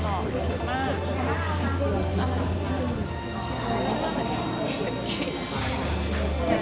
โดนบ้าง